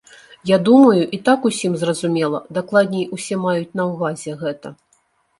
Я думаю, і так усім зразумела, дакладней усе маюць на ўвазе гэта.